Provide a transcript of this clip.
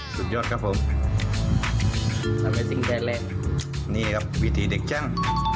สุดยอดครับผมทำให้สิ่งแทนเล่นนี่ครับวิธีเด็กชั่ง